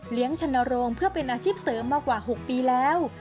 ชนโรงเพื่อเป็นอาชีพเสริมมากว่า๖ปีแล้ว